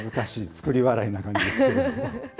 作り笑いな感じですけど。